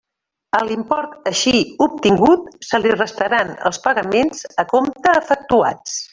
A l'import així obtingut se li restaran els pagaments a compte efectuats.